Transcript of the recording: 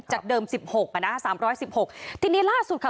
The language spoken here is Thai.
เดิมสิบหกอ่ะนะสามร้อยสิบหกทีนี้ล่าสุดค่ะ